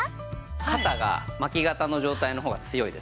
肩が巻き肩の状態の方が強いですね。